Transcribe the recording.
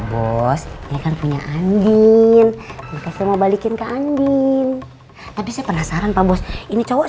ii pwoos jangan punya andin masih mau balikin gan bun itu penasaran videonya ini cowok